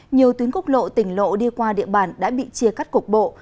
nhiều tuyến quốc lộ tỉnh lộ đi qua địa bàn đã bị chia cắt cục bộ